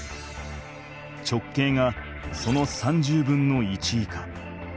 直径がその３０分の１以下。